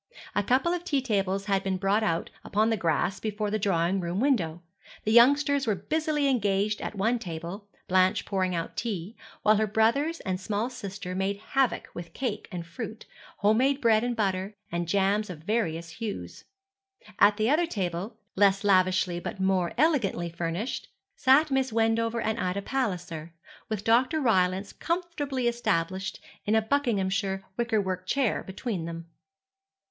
A couple of tea tables had been brought out upon the grass before the drawing room window. The youngsters were busily engaged at one table, Blanche pouring out tea, while her brothers and small sister made havoc with cake and fruit, home made bread and butter, and jams of various hues. At the other table, less lavishly but more elegantly furnished, sat Miss Wendover and Ida Palliser, with Dr. Rylance comfortably established in a Buckinghamshire wickerwork chair between them.